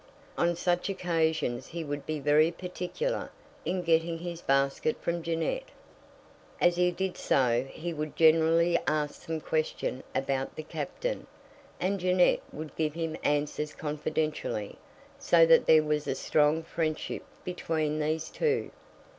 On such occasions he would be very particular in getting his basket from Jeannette. As he did so he would generally ask some question about the Captain, and Jeannette would give him answers confidentially, so that there was a strong friendship between these two.